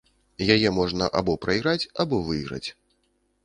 Яе можна або прайграць, або выйграць.